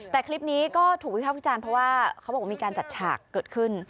แต่คลิปนี้ก็ถูกวิภาควิจารณ์เพราะว่าเขาบอกว่ามีการจัดฉากเกิดขึ้น